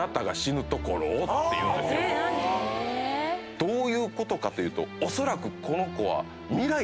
どういうことかというとおそらくこの子は。